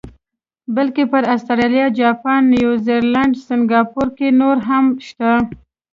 بلکې پر اسټرالیا، جاپان، نیوزیلینډ، سنګاپور کې نور هم شته.